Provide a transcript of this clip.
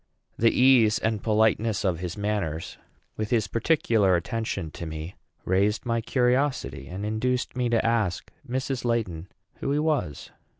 The ease and politeness of his manners, with his particular attention to me, raised my curiosity, and induced me to ask Mrs. Laiton who he was.